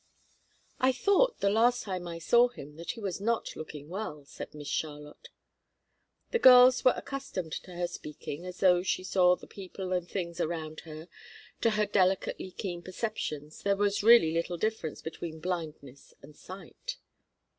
"I thought the last time I saw him that he was not looking well," said Miss Charlotte. The girls were accustomed to her speaking as though she saw the people and things around her; to her delicately keen perceptions there was really little difference between blindness and sight.